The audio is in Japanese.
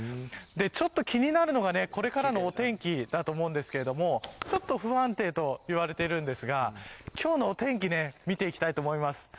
ちょっと気になるのがこれからのお天気だと思うんですけれどもちょっと不安定といわれているんですが今日のお天気見ていきたいと思います。